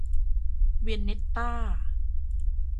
เวียนเน็ตต้า